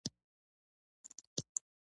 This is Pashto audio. په بازار کې خلک دي